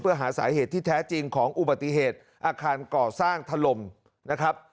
เพื่อหาสาเหตุที่แท้จริงของอุบัติเหตุอาคารก่อสร้างถล่มนะครับ